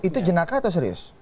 itu jenaka atau serius